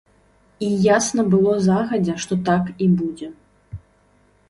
І ясна было загадзя, што так і будзе.